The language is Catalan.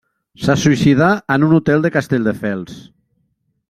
Se suïcidà en un hotel de Castelldefels.